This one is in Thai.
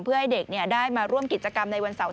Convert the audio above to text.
เพื่อให้เด็กได้มาร่วมกิจกรรมในวันเสาร์